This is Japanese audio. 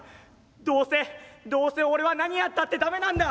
どうせどうせ俺は何やったって駄目なんだ！」。